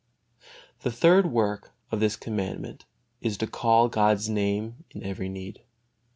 The third work of this Commandment is to call upon God's Name in every need.